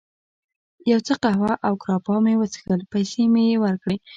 یو څه قهوه او ګراپا مې وڅښل، پیسې مې یې ورکړې.